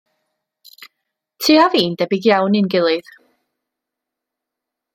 Ti a fi'n debyg iawn i'n gilydd.